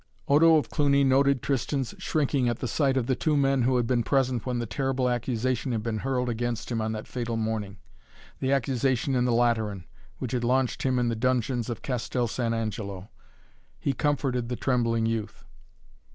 Odo of Cluny noted Tristan's shrinking at the sight of the two men who had been present when the terrible accusation had been hurled against him on that fatal morning the accusation in the Lateran, which had launched him in the dungeons of Castel San Angelo. He comforted the trembling youth.